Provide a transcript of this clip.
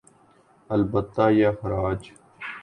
البتہ یہ اخراج